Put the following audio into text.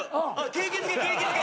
景気づけ景気づけ。